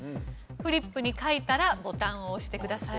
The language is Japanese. フリップに書いたらボタンを押してください。